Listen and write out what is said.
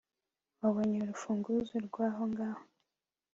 wabonye urufunguzo rwahongaho